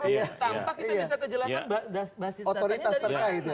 tanpa kita bisa kejelasan basis datanya dari mana